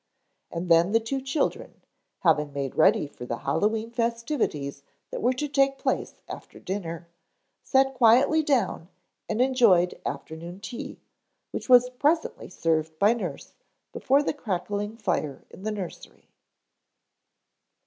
And then the two children, having made ready for the Hallowe'en festivities that were to take place after dinner, sat quietly down and enjoyed afternoon tea which was presently served by nurse before the crackling fire in the nursery.